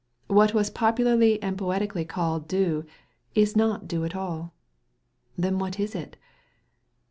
What was popularly and poetically called dew is not dew at all. Then what is it?